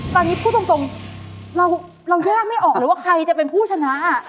ตอนนี้พูดตรงเราแยกไม่ออกเลยว่าใครจะเป็นผู้ชนะ